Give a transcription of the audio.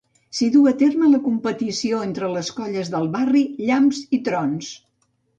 S'hi duu a terme la competició entre les colles del barri, Llamps i Trons.